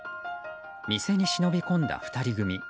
店に忍び込んだ２人組。